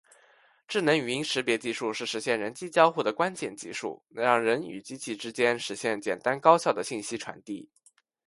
智能语音识别技术是实现人机交互的关键技术，能让人与机器之间实现简单高效的信息传递。